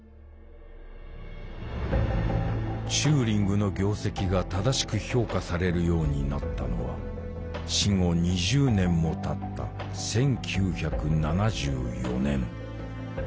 チューリングの業績が正しく評価されるようになったのは死後２０年もたった１９７４年。